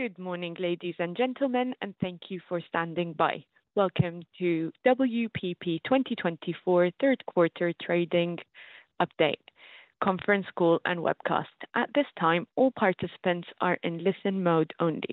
Good morning, ladies and gentlemen, and thank you for standing by. Welcome to WPP 2024 third quarter trading update, conference call and webcast. At this time, all participants are in listen-only mode. To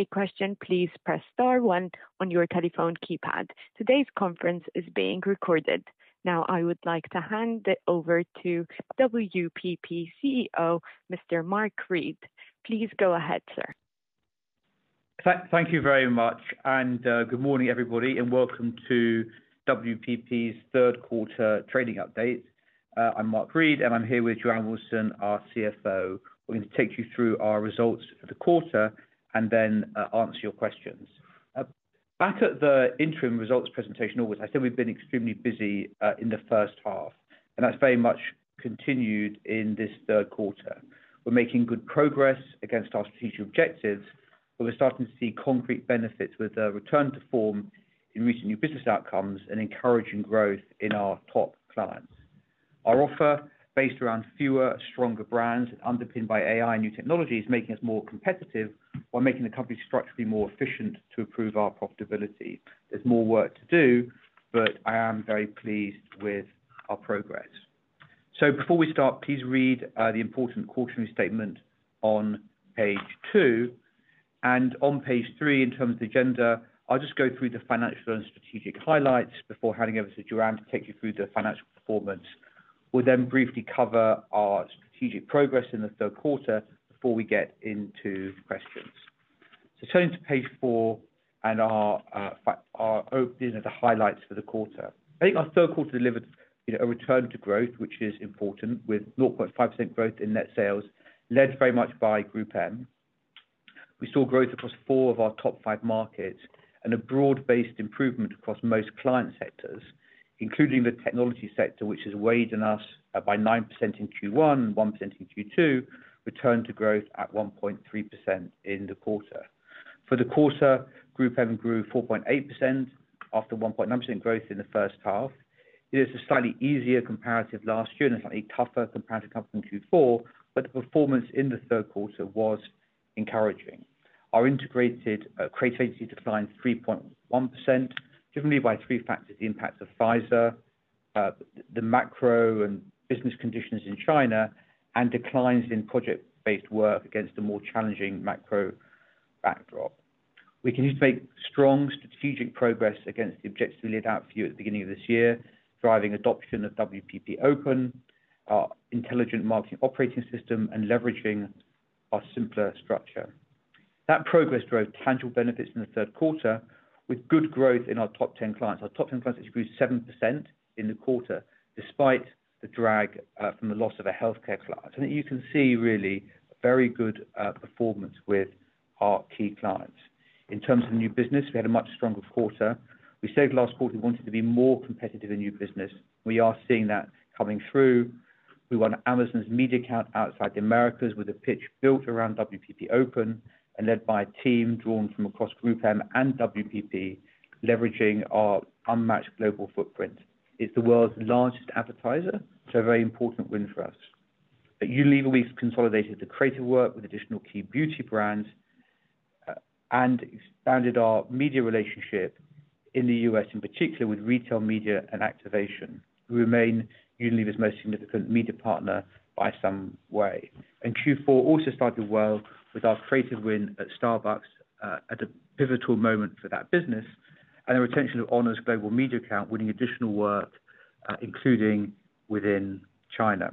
ask a question, please press star one on your telephone keypad. Today's conference is being recorded. Now, I would like to hand it over to WPP CEO, Mr. Mark Read. Please go ahead, sir. Thank you very much, and good morning, everybody, and welcome to WPP's third quarter trading update. I'm Mark Read, and I'm here with Joanne Wilson, our CFO. We're going to take you through our results for the quarter and then answer your questions. Back at the interim results presentation, always, I said we've been extremely busy in the first half, and that's very much continued in this third quarter. We're making good progress against our strategic objectives, but we're starting to see concrete benefits with a return to form in recent new business outcomes and encouraging growth in our top clients. Our offer, based around fewer, stronger brands, underpinned by AI and new technology, is making us more competitive while making the company structurally more efficient to improve our profitability. There's more work to do, but I am very pleased with our progress. Before we start, please read the important cautionary statement on page two, and on page three, in terms of the agenda, I'll just go through the financial and strategic highlights before handing over to Joanne to take you through the financial performance. We'll then briefly cover our strategic progress in the third quarter before we get into questions. Turning to page four and our WPP Open, the highlights for the quarter. I think our third quarter delivered, you know, a return to growth, which is important, with 0.5% growth in net sales, led very much by GroupM. We saw growth across four of our top five markets and a broad-based improvement across most client sectors, including the technology sector, which has weighed on us by 9% in Q1, 1% in Q2, return to growth at 1.3% in the quarter. For the quarter, Group M grew 4.8% after 1.9% growth in the first half. It is a slightly easier comparative last year, and a slightly tougher comparative coming from Q4, but the performance in the third quarter was encouraging. Our integrated creativity declined 3.1%, driven by three factors: the impact of Pfizer, the macro and business conditions in China, and declines in project-based work against a more challenging macro backdrop. We continue to make strong strategic progress against the objectives we laid out for you at the beginning of this year, driving adoption of WPP Open, our intelligent marketing operating system, and leveraging our simpler structure. That progress drove tangible benefits in the third quarter with good growth in our top 10 clients. Our top 10 clients actually grew 7% in the quarter, despite the drag from the loss of a healthcare client. I think you can see really very good performance with our key clients. In terms of new business, we had a much stronger quarter. We said last quarter, we wanted to be more competitive in new business. We are seeing that coming through. We won Amazon's media account outside the Americas, with a pitch built around WPP Open and led by a team drawn from across GroupM and WPP, leveraging our unmatched global footprint. It's the world's largest advertiser, so a very important win for us. At Unilever, we've consolidated the creative work with additional key beauty brands, and expanded our media relationship in the U.S., in particular with retail media and activation. We remain Unilever's most significant media partner by some way. Q4 also started well with our creative win at Starbucks, at a pivotal moment for that business, and a retention of Honor's Global Media account, winning additional work, including within China.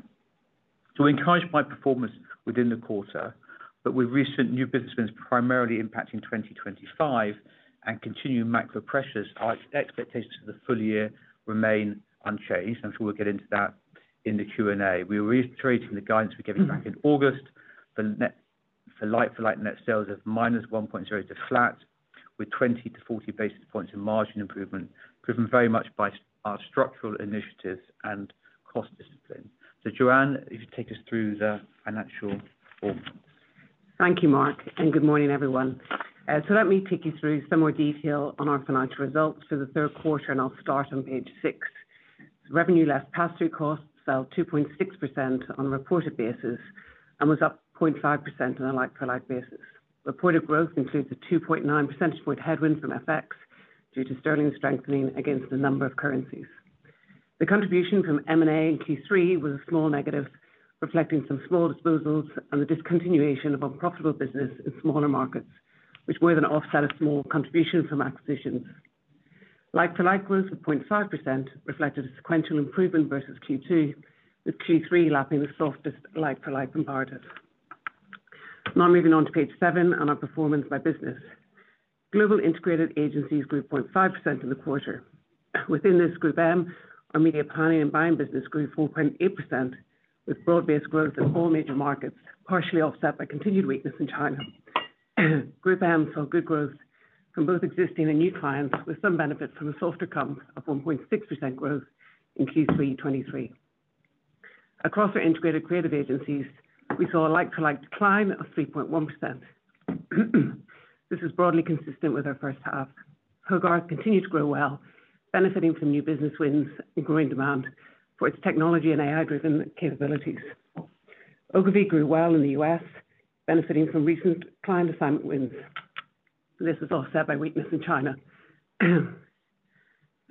We're encouraged by performance within the quarter, but with recent new business wins primarily impacting 2025 and continued macro pressures, our expectations for the full year remain unchanged, and I'm sure we'll get into that in the Q&A. We are reiterating the guidance we gave you back in August for like-for-like net sales of -1.0% to flat, with 20-40 basis points in margin improvement, driven very much by our structural initiatives and cost discipline. Joanne, if you take us through the financial performance. Thank you, Mark, and good morning, everyone. So let me take you through some more detail on our financial results for the third quarter, and I'll start on page 6. Revenue less pass-through costs fell 2.6% on a reported basis and was up 0.5% on a like-for-like basis. Reported growth includes a 2.9 percentage point headwind from FX due to sterling strengthening against a number of currencies. The contribution from M&A in Q3 was a small negative, reflecting some small disposals and the discontinuation of a profitable business in smaller markets, which were an offset of small contributions from acquisitions. Like-for-like growth of 0.5% reflected a sequential improvement versus Q2, with Q3 lapping the softest like-for-like comparative. Now moving on to page 7 and our performance by business. Global Integrated Agencies grew 0.5% in the quarter. Within this GroupM, our media planning and buying business grew 4.8%, with broad-based growth in all major markets, partially offset by continued weakness in China. GroupM saw good growth from both existing and new clients, with some benefits from a softer comp of 1.6% growth in Q3 2023. Across our integrated creative agencies, we saw a like-for-like decline of 3.1%. This is broadly consistent with our first half. Hogarth continued to grow well, benefiting from new business wins and growing demand for its technology and AI-driven capabilities. Ogilvy grew well in the U.S., benefiting from recent client assignment wins. This is offset by weakness in China.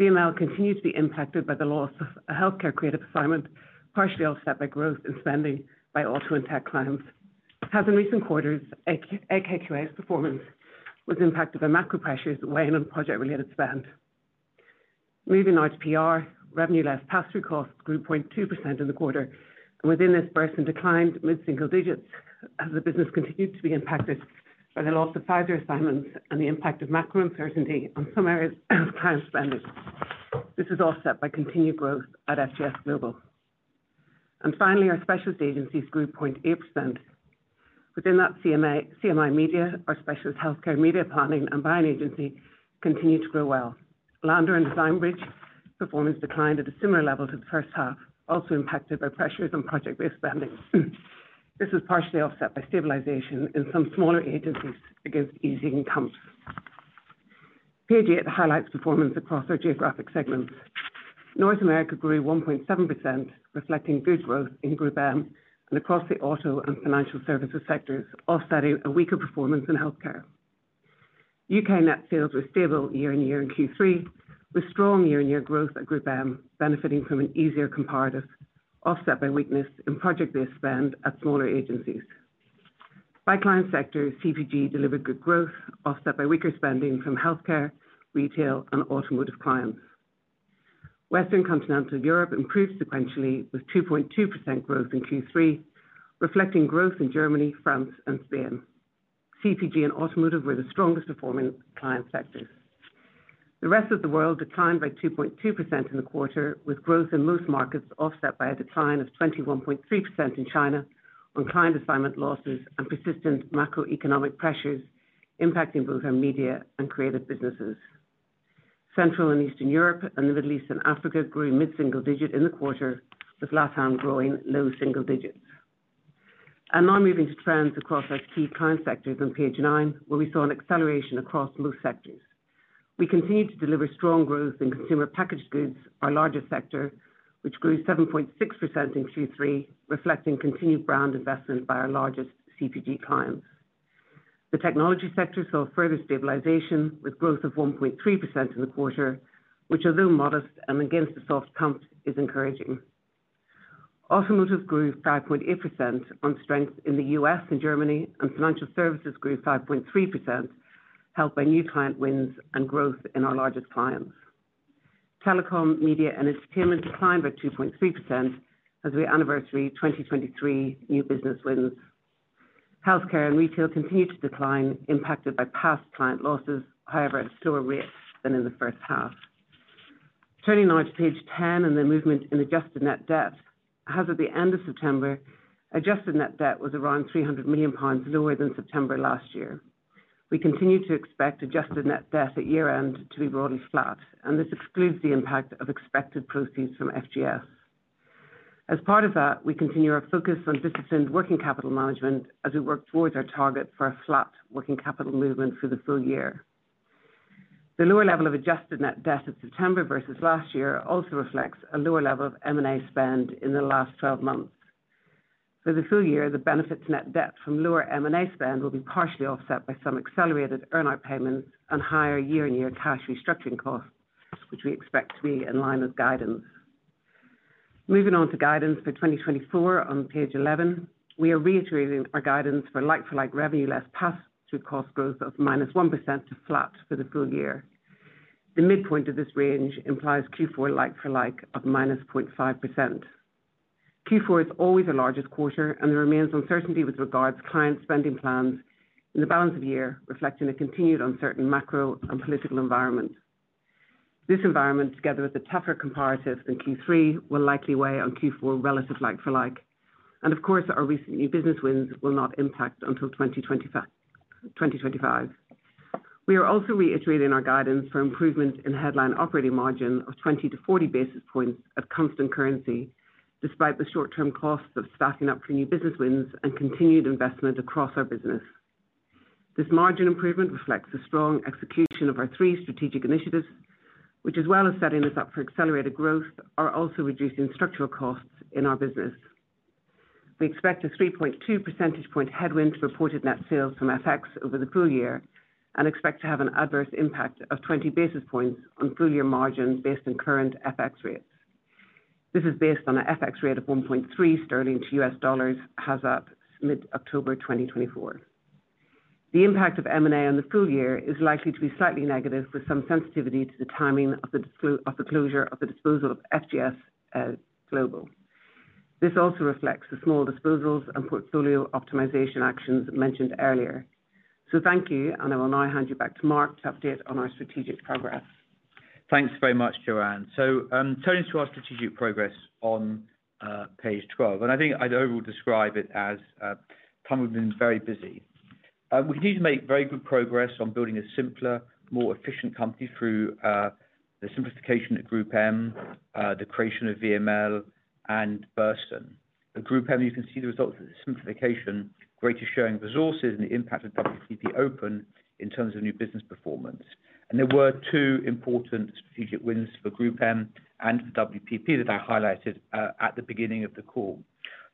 VML continues to be impacted by the loss of a healthcare creative assignment, partially offset by growth in spending by auto and tech clients. As in recent quarters, AKQA's performance was impacted by macro pressures weighing on project-related spend. Moving on to PR, revenue less pass-through costs grew 0.2% in the quarter, and within this, Burson declined mid-single digits as the business continued to be impacted by the loss of Pfizer assignments and the impact of macro uncertainty on some areas of client spending. This is offset by continued growth at FGS Global. Finally, our specialist agencies grew 0.8%. Within that CMI, CMI Media, our specialist healthcare media planning and buying agency, continued to grow well. Landor and Design Bridge performance declined at a similar level to the first half, also impacted by pressures on project-based spending. This was partially offset by stabilization in some smaller agencies against easing incomes. Page eight highlights performance across our geographic segments. North America grew 1.7%, reflecting good growth in GroupM and across the auto and financial services sectors, offsetting a weaker performance in healthcare. UK net sales were stable year on year in Q3, with strong year-on-year growth at GroupM benefiting from an easier comparative, offset by weakness in project-based spend at smaller agencies. By client sector, CPG delivered good growth, offset by weaker spending from healthcare, retail, and automotive clients. Western Continental Europe improved sequentially with 2.2% growth in Q3, reflecting growth in Germany, France, and Spain. CPG and automotive were the strongest performing client sectors. The rest of the world declined by 2.2% in the quarter, with growth in most markets offset by a decline of 21.3% in China on client assignment losses and persistent macroeconomic pressures impacting both our media and creative businesses. Central and Eastern Europe and the Middle East and Africa grew mid-single digit in the quarter, with LatAm growing low single digits. Now moving to trends across our key client sectors on page nine, where we saw an acceleration across most sectors. We continued to deliver strong growth in consumer packaged goods, our largest sector, which grew 7.6% in Q3, reflecting continued brand investment by our largest CPG clients. The technology sector saw further stabilization, with growth of 1.3% in the quarter, which, although modest and against the soft comps, is encouraging. Automotive grew 5.8% on strength in the U.S. and Germany, and financial services grew 5.3%, helped by new client wins and growth in our largest clients. Telecom, media, and entertainment declined by 2.3% as we anniversary 2023 new business wins. Healthcare and retail continued to decline, impacted by past client losses, however, at a slower rate than in the first half. Turning now to page 10 and the movement in adjusted net debt. As of the end of September, adjusted net debt was around 300 million pounds lower than September last year. We continue to expect adjusted net debt at year-end to be broadly flat, and this excludes the impact of expected proceeds from FGS. As part of that, we continue our focus on disciplined working capital management as we work towards our target for a flat working capital movement for the full year. The lower level of adjusted net debt in September versus last year also reflects a lower level of M&A spend in the last twelve months. For the full year, the benefits net debt from lower M&A spend will be partially offset by some accelerated earn-out payments and higher year-on-year cash restructuring costs, which we expect to be in line with guidance. Moving on to guidance for twenty twenty-four on page 11, we are reiterating our guidance for like-for-like revenue less pass-through cost growth of -1% to flat for the full year. The midpoint of this range implies Q4 like-for-like of -0.5%. Q4 is always the largest quarter, and there remains uncertainty with regards to client spending plans in the balance of the year, reflecting a continued uncertain macro and political environment. This environment, together with the tougher comparatives in Q3, will likely weigh on Q4 relative like-for-like, and of course, our recent new business wins will not impact until twenty twenty-five. We are also reiterating our guidance for improvement in headline operating margin of 20-40 basis points at constant currency, despite the short-term costs of staffing up for new business wins and continued investment across our business. This margin improvement reflects the strong execution of our three strategic initiatives, which, as well as setting us up for accelerated growth, are also reducing structural costs in our business. We expect a 3.2 percentage point headwind to reported net sales from FX over the full year and expect to have an adverse impact of 20 basis points on full year margins based on current FX rates. This is based on an FX rate of 1.3 sterling to US dollars as at mid-October 2024. The impact of M&A on the full year is likely to be slightly negative, with some sensitivity to the timing of the disclosure of the closure of the disposal of FGS Global. This also reflects the small disposals and portfolio optimization actions mentioned earlier. So thank you, and I will now hand you back to Mark to update on our strategic progress. Thanks very much, Joanne. So, turning to our strategic progress on page 12, and I think I'd overall describe it as a time we've been very busy. We continue to make very good progress on building a simpler, more efficient company through the simplification of GroupM, the creation of VML and Burson. At GroupM, you can see the results of the simplification, greater sharing of resources, and the impact of WPP Open in terms of new business performance. There were two important strategic wins for GroupM and for WPP that I highlighted at the beginning of the call.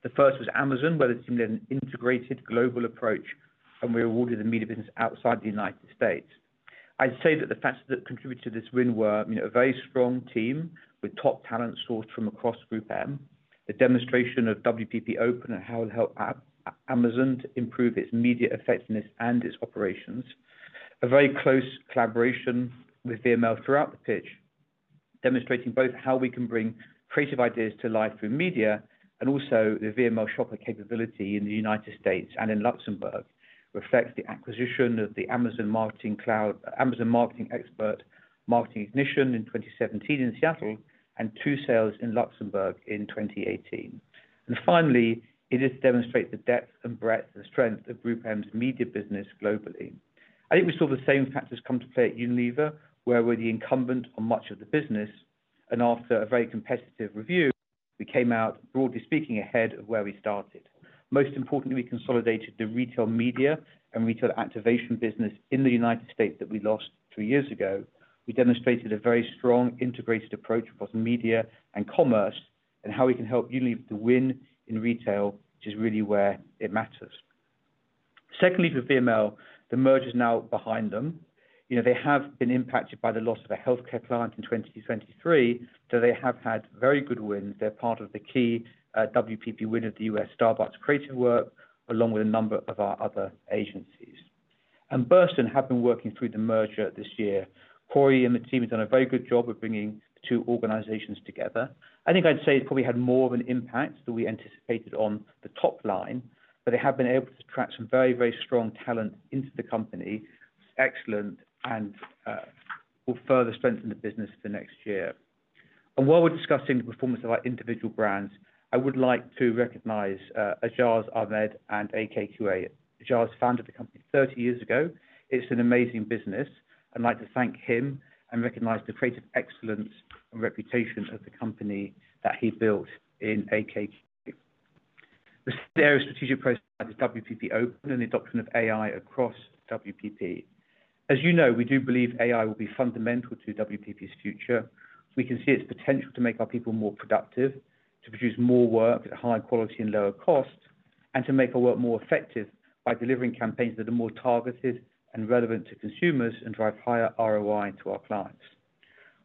The first was Amazon, where we led an integrated global approach, and were awarded the media business outside the United States. I'd say that the factors that contributed to this win were, you know, a very strong team with top talent sourced from across GroupM, the demonstration of WPP Open and how it helped Amazon to improve its media effectiveness and its operations. A very close collaboration with VML throughout the pitch, demonstrating both how we can bring creative ideas to life through media, and also the VML shopper capability in the United States and in Luxembourg, reflects the acquisition of the Amazon Marketing Cloud, Amazon marketing expertise, Marketplace Ignition in 2017 in Seattle, and 2Sales in Luxembourg in 2018. And finally, it is to demonstrate the depth and breadth and strength of GroupM's media business globally. I think we saw the same factors come to play at Unilever, where we're the incumbent on much of the business, and after a very competitive review, we came out, broadly speaking, ahead of where we started. Most importantly, we consolidated the retail media and retail activation business in the United States that we lost two years ago. We demonstrated a very strong integrated approach across media and commerce, and how we can help Unilever to win in retail, which is really where it matters. Secondly, for VML, the merger is now behind them. You know, they have been impacted by the loss of a healthcare client in 2023, so they have had very good wins. They're part of the key WPP win of the U.S. Starbucks creative work, along with a number of our other agencies, and Burson have been working through the merger this year. Corey and the team have done a very good job of bringing the two organizations together. I think I'd say it probably had more of an impact than we anticipated on the top line, but they have been able to attract some very, very strong talent into the company. Excellent, and, will further strengthen the business for next year. While we're discussing the performance of our individual brands, I would like to recognize Ajaz Ahmed and AKQA. Ajaz founded the company thirty years ago. It's an amazing business. I'd like to thank him and recognize the creative excellence and reputation of the company that he built in AKQA. The strategic process is WPP Open and the adoption of AI across WPP. As you know, we do believe AI will be fundamental to WPP's future. We can see its potential to make our people more productive, to produce more work at higher quality and lower cost, and to make our work more effective by delivering campaigns that are more targeted and relevant to consumers and drive higher ROI to our clients.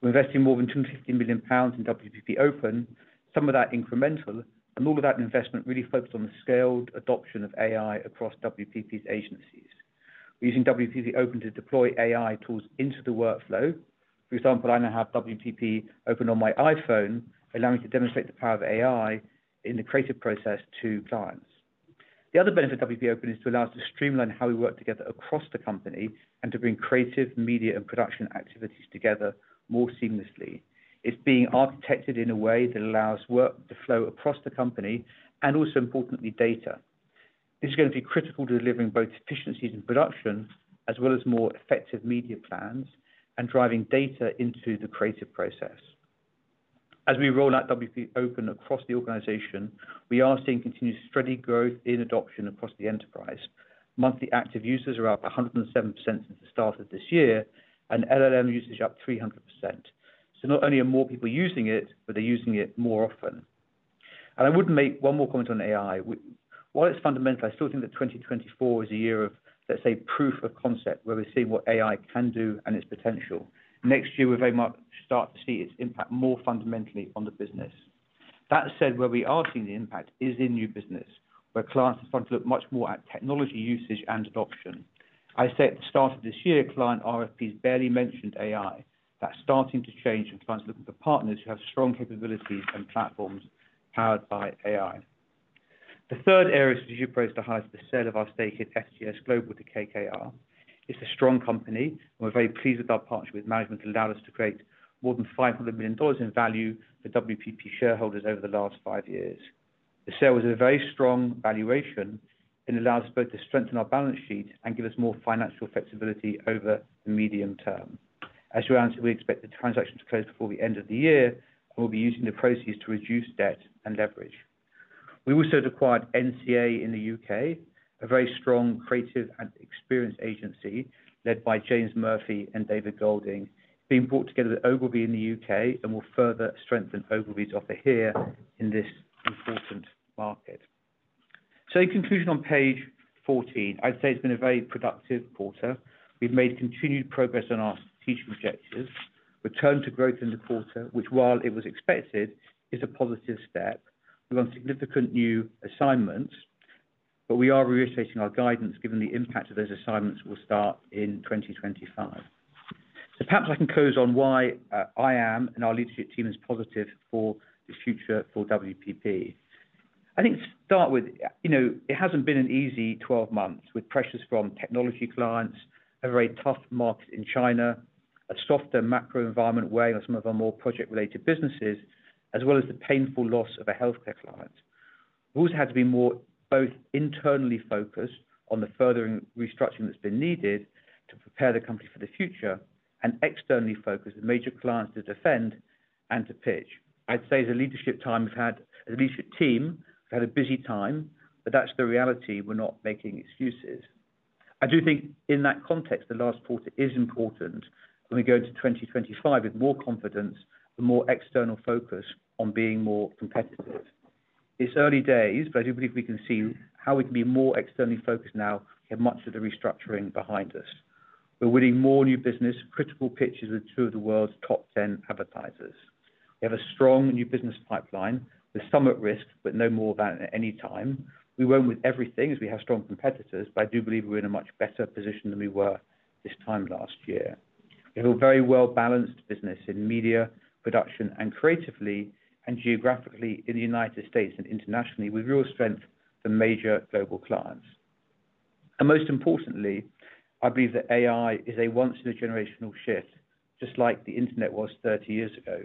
We're investing more than 215 million pounds in WPP Open, some of that incremental, and all of that investment really focused on the scaled adoption of AI across WPP's agencies. We're using WPP Open to deploy AI tools into the workflow. For example, I now have WPP Open on my iPhone, allowing me to demonstrate the power of AI in the creative process to clients. The other benefit of WPP Open is to allow us to streamline how we work together across the company and to bring creative, media, and production activities together more seamlessly. It's being architected in a way that allows work to flow across the company, and also importantly, data. This is gonna be critical to delivering both efficiencies in production as well as more effective media plans and driving data into the creative process. As we roll out WPP Open across the organization, we are seeing continued steady growth in adoption across the enterprise. Monthly active users are up 107% since the start of this year, and LLM usage up 300%. So not only are more people using it, but they're using it more often. And I would make one more comment on AI, while it's fundamental, I still think that 2024 is a year of, let's say, proof of concept, where we're seeing what AI can do and its potential. Next year, we very much start to see its impact more fundamentally on the business. That said, where we are seeing the impact is in new business, where clients are starting to look much more at technology usage and adoption. I said at the start of this year, client RFPs barely mentioned AI. That's starting to change, and clients are looking for partners who have strong capabilities and platforms powered by AI. The third area of strategic approach to highlight the sale of our stake in FGS Global to KKR. It's a strong company, and we're very pleased with our partnership with management, allowed us to create more than $500 million in value for WPP shareholders over the last five years. The sale was a very strong valuation and allows us both to strengthen our balance sheet and give us more financial flexibility over the medium term. As you answer, we expect the transaction to close before the end of the year, and we'll be using the proceeds to reduce debt and leverage. We also acquired NCA in the U.K., a very strong creative and experienced agency led by James Murphy and David Golding, being brought together with Ogilvy in the U.K. and will further strengthen Ogilvy's offer here in this important market. So in conclusion, on page fourteen, I'd say it's been a very productive quarter. We've made continued progress on our strategic objectives, returned to growth in the quarter, which while it was expected, is a positive step. We've won significant new assignments, but we are reiterating our guidance given the impact of those assignments will start in twenty twenty-five. So perhaps I can close on why, I am, and our leadership team is positive for the future for WPP. I think to start with, you know, it hasn't been an easy twelve months, with pressures from technology clients, a very tough market in China, a softer macro environment weighing on some of our more project-related businesses, as well as the painful loss of a healthcare client. We've also had to be more both internally focused on the furthering restructuring that's been needed to prepare the company for the future, and externally focused with major clients to defend and to pitch. I'd say the leadership time we've had, the leadership team have had a busy time, but that's the reality. We're not making excuses. I do think in that context, the last quarter is important when we go into twenty twenty-five with more confidence and more external focus on being more competitive. It's early days, but I do believe we can see how we can be more externally focused now. We have much of the restructuring behind us. We're winning more new business, critical pitches with two of the world's top ten advertisers. We have a strong new business pipeline. There's some at risk, but no more than at any time. We won't win everything, as we have strong competitors, but I do believe we're in a much better position than we were this time last year. We have a very well-balanced business in media, production, and creatively and geographically in the United States and internationally, with real strength for major global clients. And most importantly, I believe that AI is a once in a generational shift, just like the internet was thirty years ago.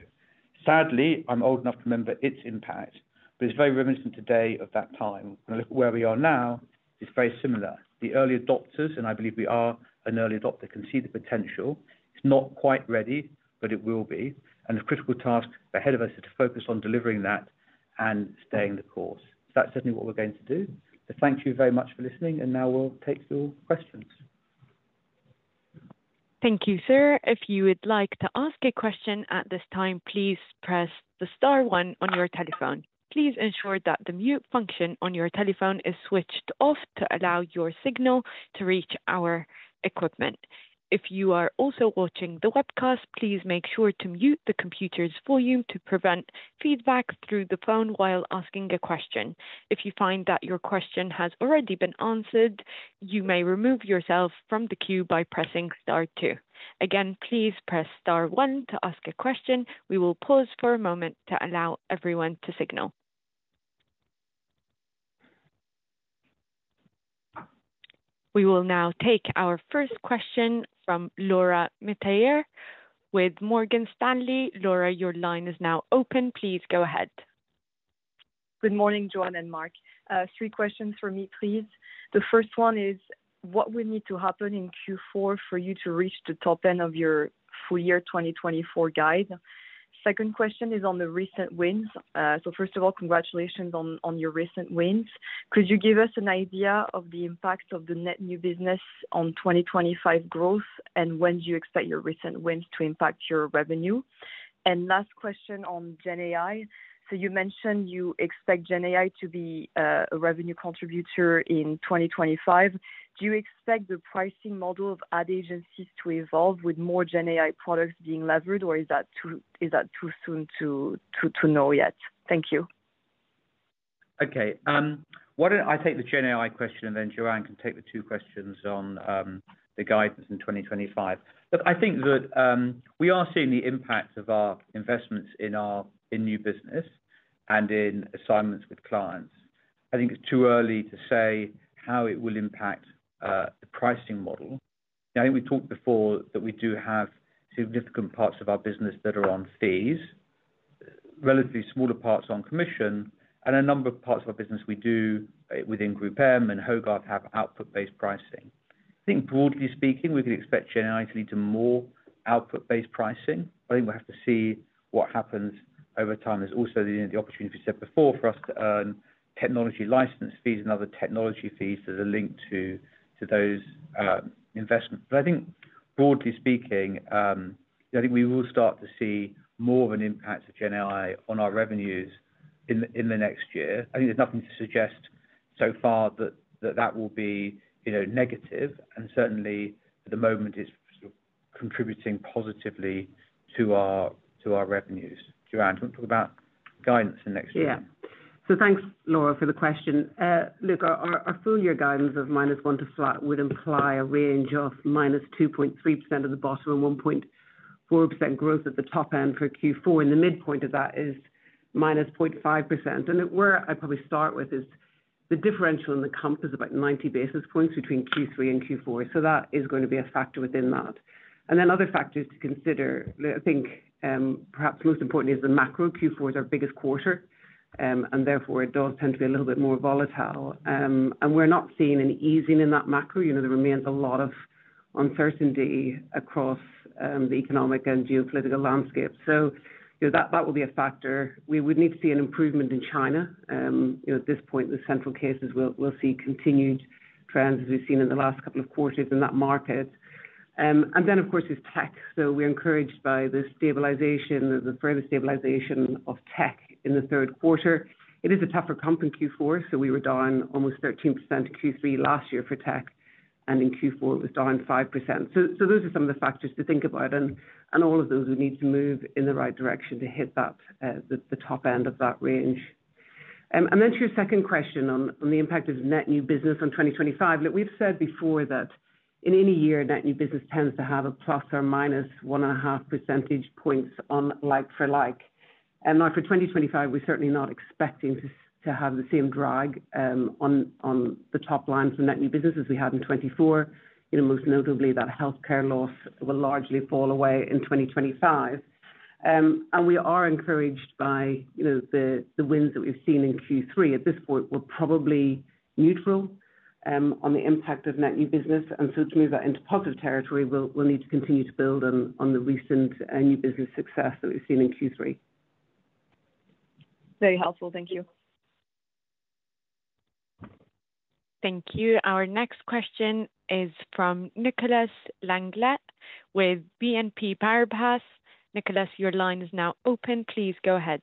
Sadly, I'm old enough to remember its impact, but it's very reminiscent today of that time. Look, where we are now is very similar. The early adopters, and I believe we are an early adopter, can see the potential. It's not quite ready, but it will be. The critical task ahead of us is to focus on delivering that and staying the course. That's certainly what we're going to do. Thank you very much for listening, and now we'll take your questions. Thank you, sir. If you would like to ask a question at this time, please press the star one on your telephone. Please ensure that the mute function on your telephone is switched off to allow your signal to reach our equipment. If you are also watching the webcast, please make sure to mute the computer's volume to prevent feedback through the phone while asking a question. If you find that your question has already been answered, you may remove yourself from the queue by pressing star two. Again, please press star one to ask a question. We will pause for a moment to allow everyone to signal. We will now take our first question from Laura Metayer with Morgan Stanley. Laura, your line is now open. Please go ahead. Good morning, Joan and Mark. Three questions for me, please. The first one is: what would need to happen in Q4 for you to reach the top end of your full year twenty twenty-four guide? Second question is on the recent wins. So first of all, congratulations on your recent wins. Could you give us an idea of the impact of the net new business on twenty twenty-five growth, and when do you expect your recent wins to impact your revenue? Last question on GenAI. You mentioned you expect GenAI to be a revenue contributor in twenty twenty-five. Do you expect the pricing model of ad agencies to evolve with more GenAI products being leveraged, or is that too soon to know yet? Thank you. Okay, why don't I take the GenAI question, and then Joanne can take the two questions on the guidance in 2025? But I think that we are seeing the impact of our investments in our new business and in assignments with clients. I think it's too early to say how it will impact the pricing model. I think we talked before that we do have significant parts of our business that are on fees, relatively smaller parts on commission, and a number of parts of our business we do within GroupM and Hogarth have output-based pricing. I think broadly speaking, we can expect GenAI to lead to more output-based pricing. I think we'll have to see what happens over time. There's also the opportunity, we said before, for us to earn technology license fees and other technology fees that are linked to those investments. But I think broadly speaking, I think we will start to see more of an impact of GenAI on our revenues in the next year. I think there's nothing to suggest so far that will be, you know, negative, and certainly at the moment is sort of contributing positively to our revenues. Joanne, do you want to talk about guidance in the next year? Yeah. So thanks, Laura, for the question. Look, our full year guidance of minus 1 to flat would imply a range of minus 2.3% at the bottom and 1.4% growth at the top end for Q4, and the midpoint of that is minus 0.5%. And where I'd probably start with is the differential in the comp is about 90 basis points between Q3 and Q4, so that is going to be a factor within that. Then other factors to consider, I think, perhaps most importantly, is the macro. Q4 is our biggest quarter, and therefore it does tend to be a little bit more volatile. And we're not seeing an easing in that macro. You know, there remains a lot of uncertainty across the economic and geopolitical landscape, so, you know, that will be a factor. We would need to see an improvement in China. You know, at this point, the central cases will see continued trends as we've seen in the last couple of quarters in that market. And then, of course, there's tech. So we're encouraged by the stabilization, the further stabilization of tech in the third quarter. It is a tougher comp in Q4, so we were down almost 13% Q3 last year for tech, and in Q4, it was down 5%. So those are some of the factors to think about, and all of those will need to move in the right direction to hit that the top end of that range. And then to your second question on the impact of net new business on twenty twenty-five. Look, we've said before that in any year, net new business tends to have a plus or minus one and a half percentage points on like for like. Now for 2025, we're certainly not expecting to have the same drag on the top line for net new business as we had in 2024. You know, most notably, that healthcare loss will largely fall away in 2025. We are encouraged by, you know, the wins that we've seen in Q3. At this point, we're probably neutral on the impact of net new business, and so to move that into positive territory, we'll need to continue to build on the recent new business success that we've seen in Q3. Very helpful. Thank you. Thank you. Our next question is from Nicholas Langlet with BNP Paribas. Nicholas, your line is now open. Please go ahead.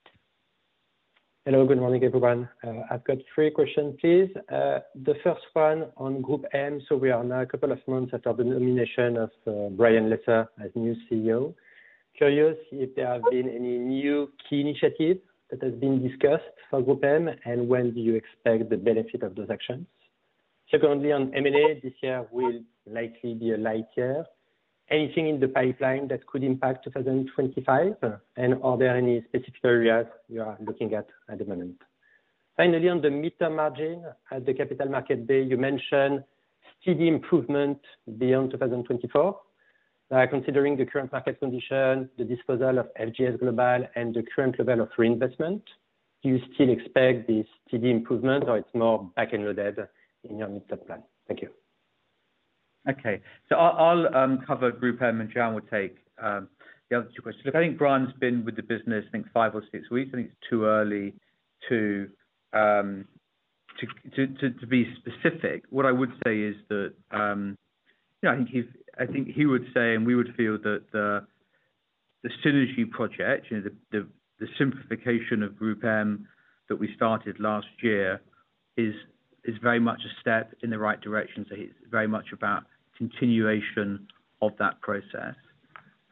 Hello, good morning, everyone. I've got three questions, please. The first one on GroupM. So we are now a couple of months after the nomination of Brian Lesser as new CEO. Curious if there have been any new key initiatives that have been discussed for GroupM, and when do you expect the benefit of those actions? Secondly, on M&A, this year will likely be a light year. Anything in the pipeline that could impact two thousand and twenty-five? And are there any specific areas you are looking at, at the moment? Finally, on the midterm margin, at the Capital Markets Day, you mentioned steady improvement beyond two thousand and twenty-four. Considering the current market condition, the disposal of FGS Global and the current level of reinvestment, do you still expect this steady improvement, or it's more back-ended in your midterm plan? Thank you. Okay. So I'll cover GroupM, and Joanne will take the other two questions. Look, I think Brian's been with the business, I think, five or six weeks, and it's too early to be specific. What I would say is that, you know, I think he's, I think he would say, and we would feel that the simplification of GroupM that we started last year is very much a step in the right direction. So it's very much about continuation of that process.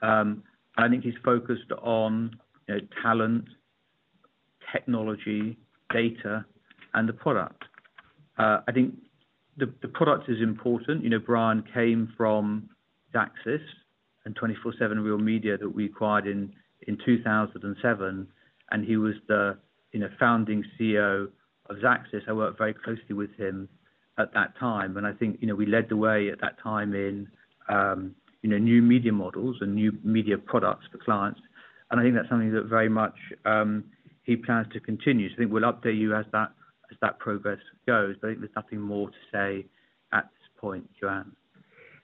I think he's focused on, you know, talent, technology, data, and the product. I think the product is important. You know, Brian came from Xaxis and 24/7 Real Media that we acquired in two thousand and seven, and he was the, you know, founding CEO of Xaxis. I worked very closely with him at that time, and I think, you know, we led the way at that time in, you know, new media models and new media products for clients. And I think that's something that very much he plans to continue. So I think we'll update you as that progress goes, but I think there's nothing more to say at this point. Joanne?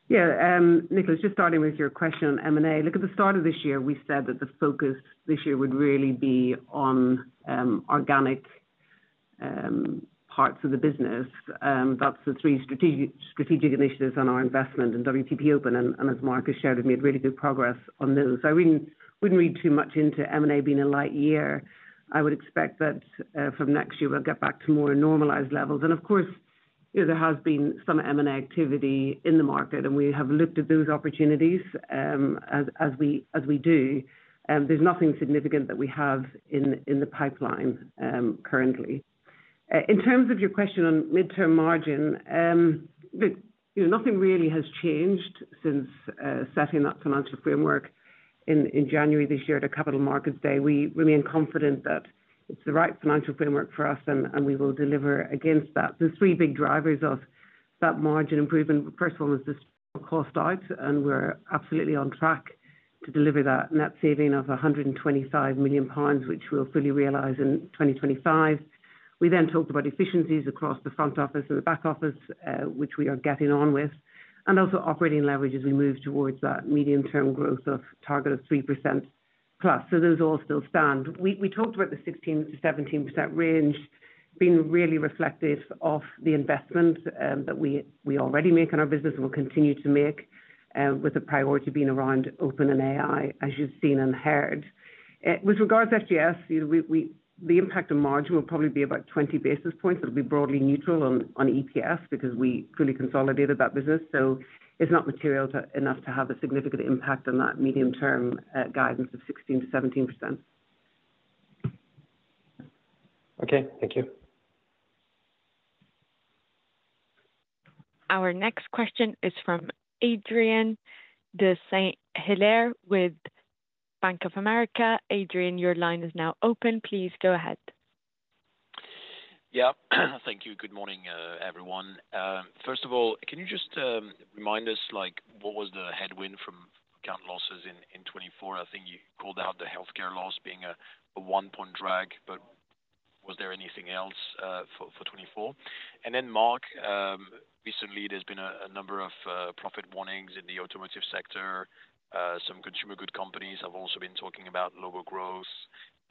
Yeah, Nicholas, just starting with your question on M&A. Look, at the start of this year, we said that the focus this year would really be on organic parts of the business. That's the three strategic initiatives on our investment in WPP Open, and as Marcus shared, we've made really good progress on those. I wouldn't read too much into M&A being a light year. I would expect that from next year, we'll get back to more normalized levels. And of course, you know, there has been some M&A activity in the market, and we have looked at those opportunities, as we do, and there's nothing significant that we have in the pipeline currently. In terms of your question on midterm margin, the... You know, nothing really has changed since setting that financial framework in, in January this year at a Capital Markets Day. We remain confident that it's the right financial framework for us, and, and we will deliver against that. The three big drivers of that margin improvement, first one was the cost out, and we're absolutely on track to deliver that net saving of 125 million pounds, which we'll fully realize in 2025. We then talked about efficiencies across the front office and the back office, which we are getting on with, and also operating leverage as we move towards that medium-term growth target of 3% plus. So those all still stand. We talked about the 16%-17% range being really reflective of the investment that we already make in our business and will continue to make, with the priority being around open and AI, as you've seen and heard. With regards to FGS, you know, we the impact on margin will probably be about 20 basis points. It'll be broadly neutral on EPS because we fully consolidated that business, so it's not material enough to have a significant impact on that medium-term guidance of 16%-17%. Okay, thank you. Our next question is from Adrien de Saint Hilaire with Bank of America. Adrien, your line is now open. Please go ahead. Yeah. Thank you. Good morning, everyone. First of all, can you just remind us, like, what was the headwind from account losses in twenty-four? I think you called out the healthcare loss being a one-point drag, but was there anything else for twenty-four? And then, Mark, recently there's been a number of profit warnings in the automotive sector. Some consumer goods companies have also been talking about lower growth.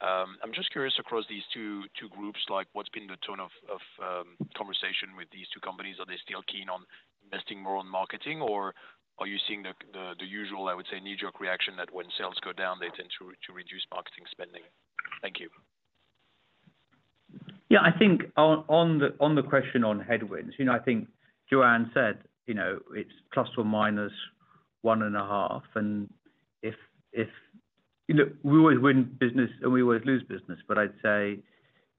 I'm just curious, across these two groups, like, what's been the tone of conversation with these two companies? Are they still keen on investing more on marketing, or are you seeing the usual, I would say, knee-jerk reaction, that when sales go down, they tend to reduce marketing spending? Thank you. Yeah, I think on the question on headwinds, you know, I think Joanne said, you know, it's plus or minus one and a half, and if... You know, we always win business, and we always lose business, but I'd say...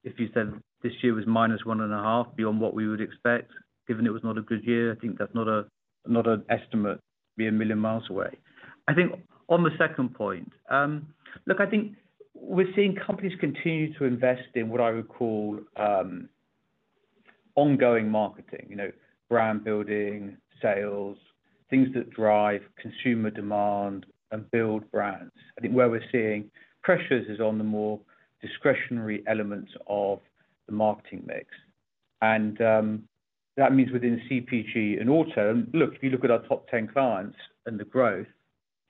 if you said this year was minus one and a half beyond what we would expect, given it was not a good year, I think that's not an estimate to be a million miles away. I think on the second point, look, I think we're seeing companies continue to invest in what I would call ongoing marketing, you know, brand building, sales, things that drive consumer demand and build brands. I think where we're seeing pressures is on the more discretionary elements of the marketing mix. That means within CPG and auto. Look, if you look at our top 10 clients and the growth,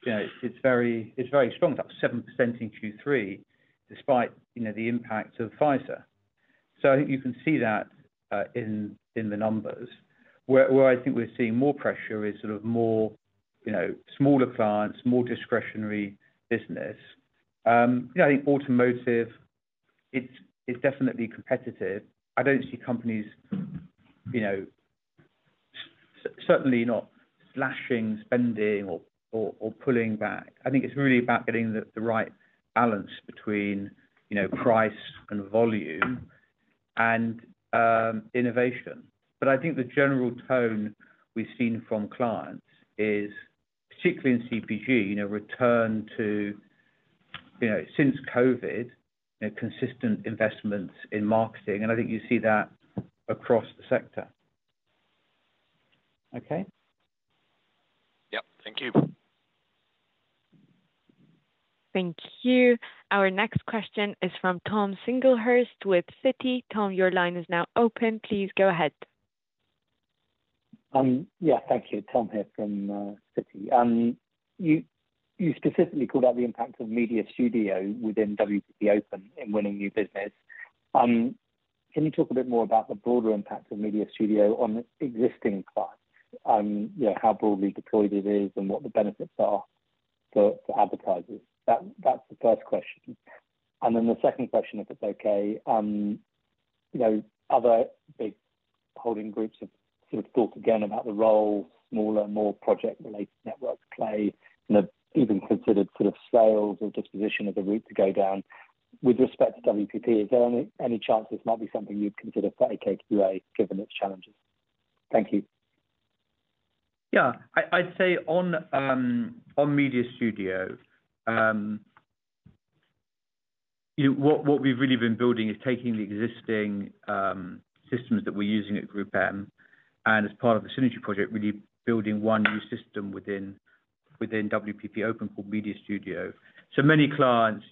you know, it's very, it's very strong. It's up 7% in Q3, despite, you know, the impact of Pfizer. So I think you can see that in the numbers. Where I think we're seeing more pressure is sort of more, you know, smaller clients, more discretionary business. Yeah, I think automotive, it's definitely competitive. I don't see companies, you know, certainly not slashing spending or pulling back. I think it's really about getting the right balance between, you know, price and volume and innovation. But I think the general tone we've seen from clients is, particularly in CPG, you know, return to, you know, since COVID, consistent investments in marketing, and I think you see that across the sector. Okay? Yep, thank you. Thank you. Our next question is from Tom Singlehurst with Citi. Tom, your line is now open. Please go ahead. Yeah, thank you. Tom here from Citi. You specifically called out the impact of Media Studio within WPP Open in winning new business. Can you talk a bit more about the broader impact of Media Studio on existing clients, you know, how broadly deployed it is and what the benefits are for advertisers? That's the first question. Then the second question, if it's okay, you know, other big holding groups have sort of thought again about the role smaller, more project-related networks play, and have even considered sort of sales or disposition of the route to go down. With respect to WPP, is there any chance this might be something you'd consider for AKQA, given its challenges? Thank you. Yeah. I'd say on Media Studio, you know, what we've really been building is taking the existing systems that we're using at GroupM, and as part of the Synergy project, really building one new system within WPP Open called Media Studio. So many clients,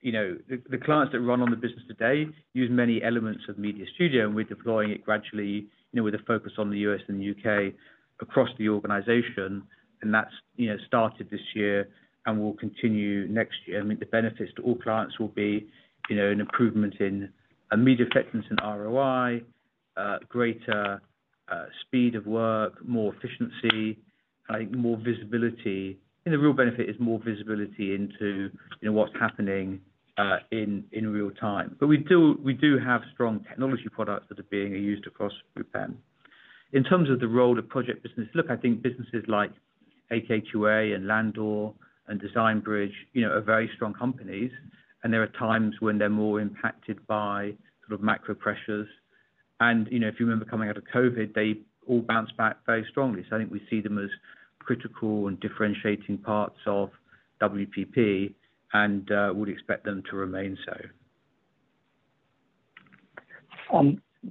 you know, the clients that run on the business today use many elements of Media Studio, and we're deploying it gradually, you know, with a focus on the U.S. and the U.K. across the organization, and that's, you know, started this year and will continue next year. I mean, the benefits to all clients will be, you know, an improvement in media effectiveness in ROI, greater speed of work, more efficiency, I think, more visibility. I think the real benefit is more visibility into, you know, what's happening in real time. But we do, we do have strong technology products that are being used across GroupM. In terms of the role of project business, look, I think businesses like AKQA and Landor and Design Bridge, you know, are very strong companies, and there are times when they're more impacted by sort of macro pressures. If you remember coming out of COVID, they all bounced back very strongly. So I think we see them as critical and differentiating parts of WPP, and would expect them to remain so.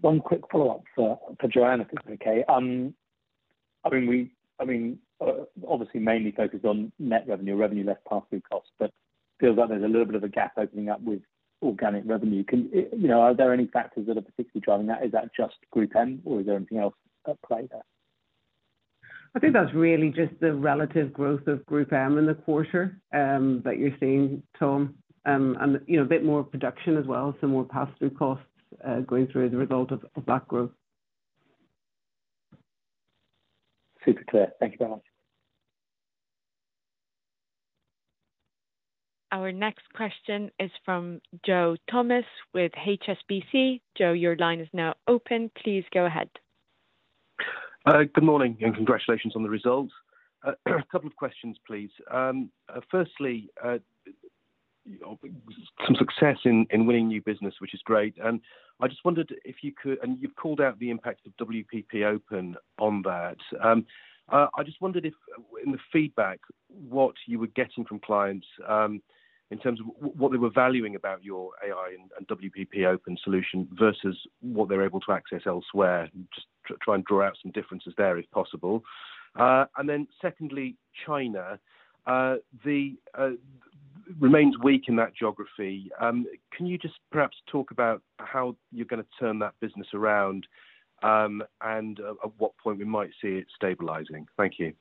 One quick follow-up for Joanne, if it's okay. I mean, obviously mainly focused on net revenue, revenue less pass-through costs, but feels like there's a little bit of a gap opening up with organic revenue. Can, you know, are there any factors that are particularly driving that? Is that just GroupM, or is there anything else at play there? I think that's really just the relative growth of GroupM in the quarter that you're seeing, Tom. You know, a bit more production as well, some more pass-through costs going through the result of that growth. Super clear. Thank you very much. Our next question is from Joe Thomas with HSBC. Joe, your line is now open. Please go ahead. Good morning, and congratulations on the results. A couple of questions, please. Firstly, some success in winning new business, which is great. I just wondered if you could... And you've called out the impact of WPP Open on that. I just wondered if in the feedback, what you were getting from clients, in terms of what they were valuing about your AI and WPP Open solution versus what they're able to access elsewhere, and just try and draw out some differences there, if possible. And then secondly, China. The remains weak in that geography. Can you just perhaps talk about how you're gonna turn that business around, and at what point we might see it stabilizing? Thank you.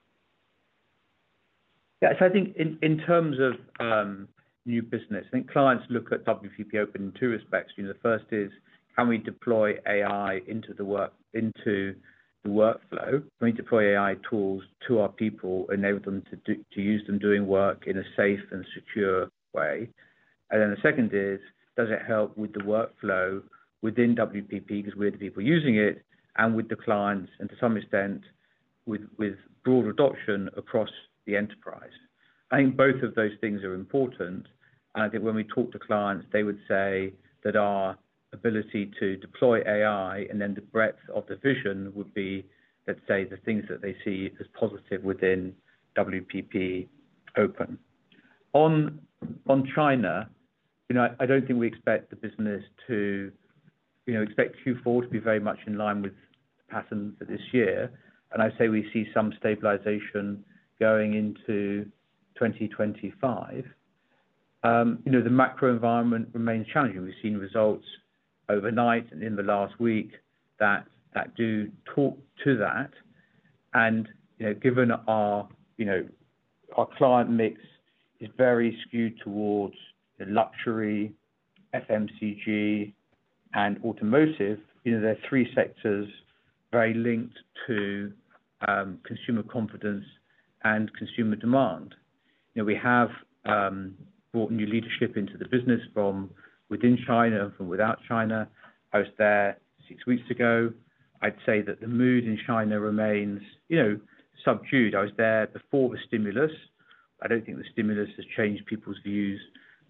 Yes, I think in terms of new business, I think clients look at WPP Open in two respects. You know, the first is, can we deploy AI into the work, into the workflow? Can we deploy AI tools to our people, enable them to do, to use them doing work in a safe and secure way? Then the second is, does it help with the workflow within WPP? Because we're the people using it, and with the clients, and to some extent with broad adoption across the enterprise. I think both of those things are important, and I think when we talk to clients, they would say that our ability to deploy AI and then the breadth of the vision would be, let's say, the things that they see as positive within WPP Open. On China, you know, I don't think we expect the business to, you know, expect Q4 to be very much in line with the patterns of this year. And I'd say we see some stabilization going into 2025. You know, the macro environment remains challenging. We've seen results overnight and in the last week that do talk to that. And, you know, given our, you know, our client mix is very skewed towards the luxury, FMCG, and automotive, you know, they're three sectors very linked to consumer confidence and consumer demand. You know, we have brought new leadership into the business from within China, from without China. I was there six weeks ago. I'd say that the mood in China remains, you know, subdued. I was there before the stimulus. I don't think the stimulus has changed people's views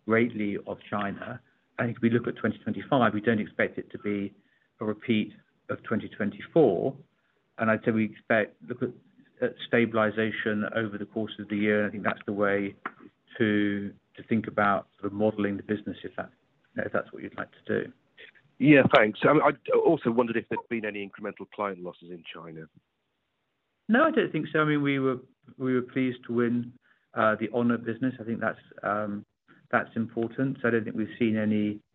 greatly of China. I think if we look at 2025, we don't expect it to be a repeat of 2024, and I'd say we expect stabilization over the course of the year. I think that's the way to think about sort of modeling the business, if that's what you'd like to do. Yeah, thanks. I also wondered if there's been any incremental client losses in China? No, I don't think so. I mean, we were pleased to win the Honor business. I think that's important. So I don't think we've seen anything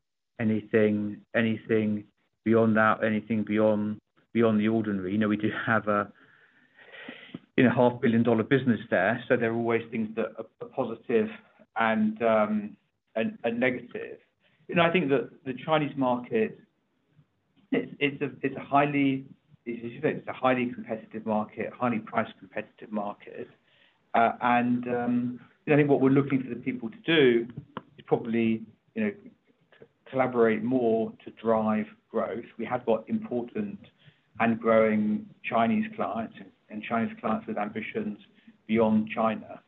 beyond that, beyond the ordinary. You know, we do have a $500 million business there, so there are always things that are positive and negative. You know, I think the Chinese market, it's a highly competitive market, highly priced competitive market. And you know, I think what we're looking for the people to do is probably, you know, collaborate more to drive growth. We have got important and growing Chinese clients and Chinese clients with ambitions beyond China.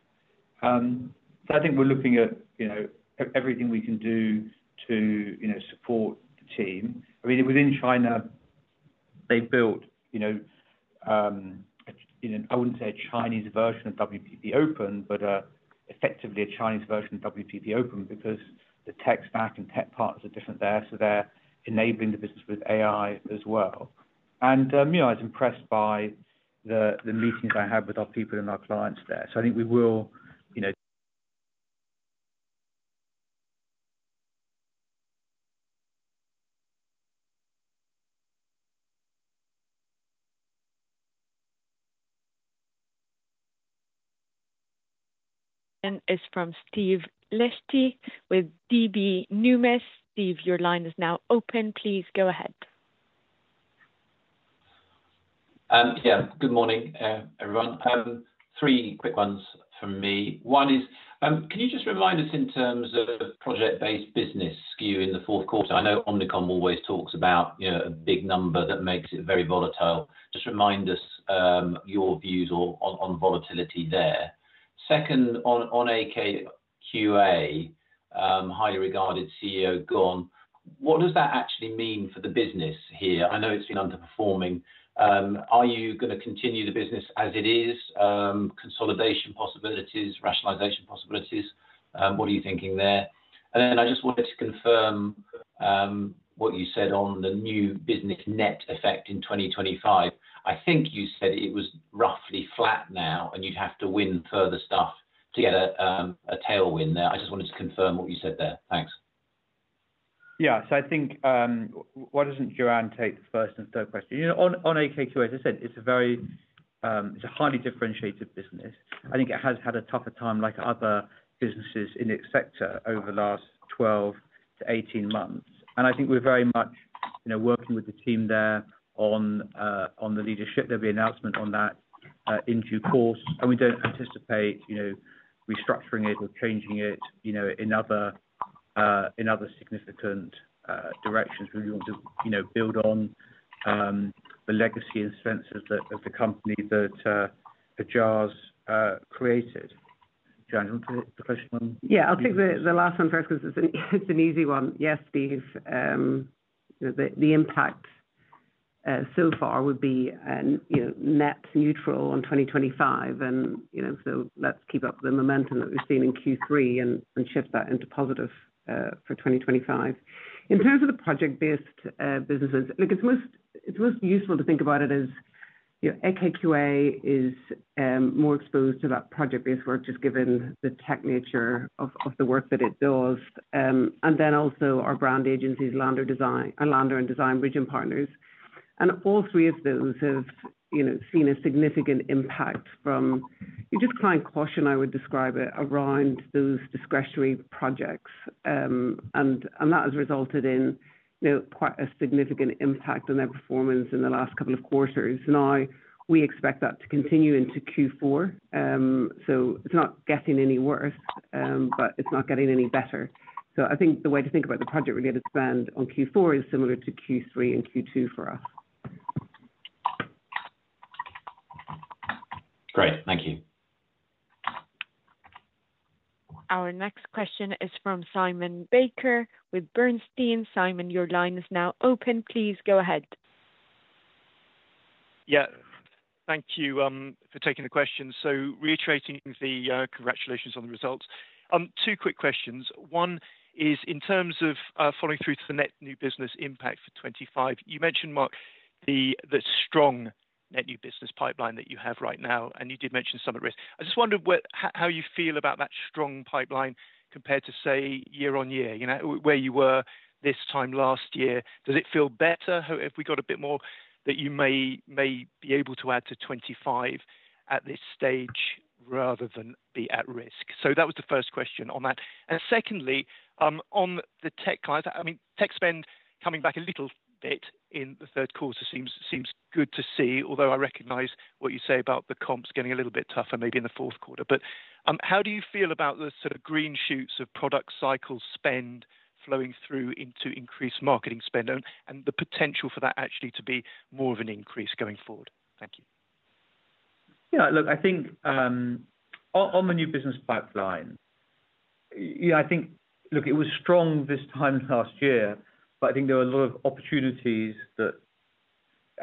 So I think we're looking at, you know, everything we can do to, you know, support the team. I mean, within China, they've built, you know, I wouldn't say a Chinese version of WPP Open, but effectively a Chinese version of WPP Open because the tech stack and tech partners are different there, so they're enabling the business with AI as well. And, you know, I was impressed by the meetings I had with our people and our clients there. So I think we will, you know- It's from Steve Liechti with DB Numis. Steve, your line is now open. Please go ahead. Yeah, good morning, everyone. Three quick ones from me. One is, can you just remind us in terms of project-based business skew in the fourth quarter? I know Omnicom always talks about, you know, a big number that makes it very volatile. Just remind us, your views on volatility there. Second, on AKQA, highly regarded CEO gone. What does that actually mean for the business here? I know it's been underperforming. Are you gonna continue the business as it is? Consolidation possibilities, rationalization possibilities, what are you thinking there? And then I just wanted to confirm, what you said on the new business net effect in twenty twenty-five. I think you said it was roughly flat now, and you'd have to win further stuff to get a tailwind there. I just wanted to confirm what you said there. Thanks. Yeah. So I think, why doesn't Joanne take the first and third question? You know, on AKQA, as I said, it's a very, it's a highly differentiated business. I think it has had a tougher time like other businesses in its sector over the last 12 to 18 months. And I think we're very much, you know, working with the team there on the leadership. There'll be an announcement on that, in due course, and we don't anticipate, you know, restructuring it or changing it, you know, in other, in other significant directions. We want to, you know, build on the legacy and successes that of the company that the Ajaz created. Joanne, you want to take the question on? Yeah, I'll take the last one first, 'cause it's an easy one. Yes, Steve, the impact so far would be, you know, net neutral on twenty twenty-five, and, you know, so let's keep up the momentum that we've seen in Q3 and shift that into positive for twenty twenty-five. In terms of the project-based businesses, look, it's most useful to think about it as, you know, AKQA is more exposed to that project-based work, just given the tech nature of the work that it does, and then also our brand agencies, Landor and Design Bridge and Partners. All three of those have, you know, seen a significant impact from just client caution, I would describe it, around those discretionary projects. And that has resulted in, you know, quite a significant impact on their performance in the last couple of quarters. Now, we expect that to continue into Q4, so it's not getting any worse, but it's not getting any better. So I think the way to think about the project-related spend on Q4 is similar to Q3 and Q2 for us. Great. Thank you. Our next question is from Simon Baker with Bernstein. Simon, your line is now open. Please go ahead. Yeah, thank you for taking the question. So reiterating the congratulations on the results. Two quick questions. One is in terms of following through to the net new business impact for 2025, you mentioned, Mark, the strong net new business pipeline that you have right now, and you did mention some at risk. I just wondered what, how you feel about that strong pipeline compared to, say, year on year, you know, where you were this time last year. Does it feel better? Have we got a bit more that you may be able to add to 2025 at this stage rather than be at risk? So that was the first question on that. And secondly, on the tech clients, I mean, tech spend coming back a little bit in the third quarter seems good to see, although I recognize what you say about the comps getting a little bit tougher maybe in the fourth quarter. But, how do you feel about the sort of green shoots of product cycle spend flowing through into increased marketing spend and the potential for that actually to be more of an increase going forward? Thank you. Yeah, look, I think on the new business pipeline, yeah, I think. Look, it was strong this time last year, but I think there were a lot of opportunities that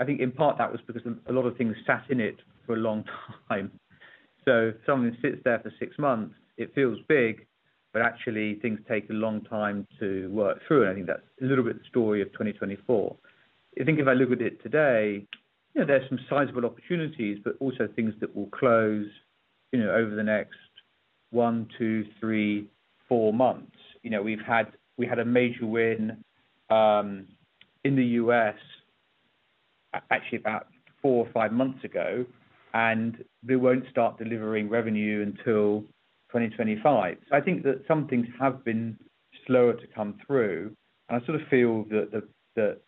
I think in part that was because a lot of things sat in it for a long time. So if something sits there for six months, it feels big, but actually, things take a long time to work through, and I think that's a little bit the story of twenty twenty-four. I think if I look at it today, you know, there's some sizable opportunities, but also things that will close, you know, over the next one, two, three, four months. You know, we had a major win in the U.S., actually about four or five months ago, and we won't start delivering revenue until twenty twenty-five. So I think that some things have been slower to come through, and I sort of feel that the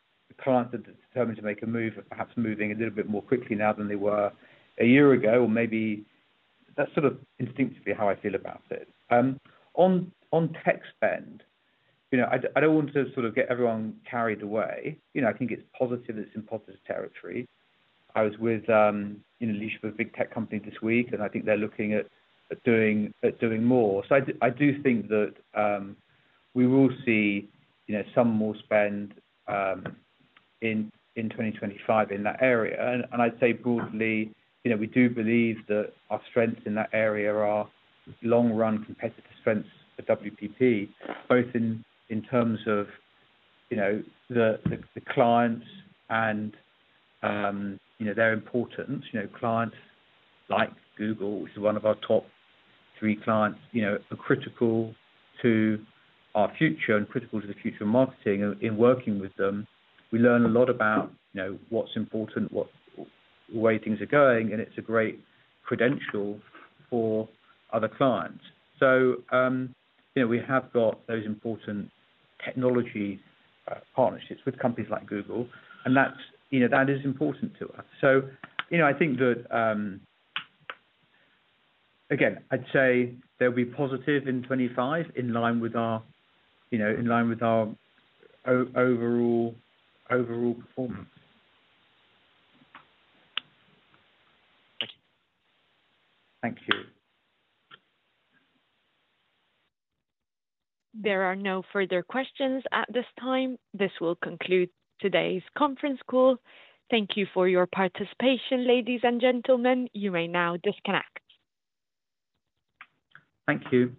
clients that are determined to make a move are perhaps moving a little bit more quickly now than they were a year ago, or maybe that's sort of instinctively how I feel about it. On tech spend, you know, I don't want to sort of get everyone carried away. You know, I think it's positive, it's in positive territory. I was with you know, a leadership of a big tech company this week, and I think they're looking at doing more. I do think that we will see, you know, some more spend in twenty twenty-five in that area. I'd say broadly, you know, we do believe that our strengths in that area are long-run competitive strengths for WPP, both in terms of, you know, the clients and, you know, their importance. You know, clients like Google, which is one of our top three clients, you know, are critical to our future and critical to the future of marketing. In working with them, we learn a lot about, you know, what's important, what, where things are going, and it's a great credential for other clients. So, you know, we have got those important technology partnerships with companies like Google, and that's, you know, that is important to us. So, you know, I think that, again, I'd say they'll be positive in 2025, in line with our, you know, in line with our overall performance. Thank you. Thank you. There are no further questions at this time. This will conclude today's conference call. Thank you for your participation, ladies and gentlemen. You may now disconnect. Thank you.